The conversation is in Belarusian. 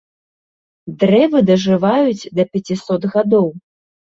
Дрэвы дажываюць да пяцісот гадоў.